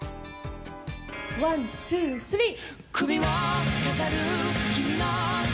ワン・ツー・スリー！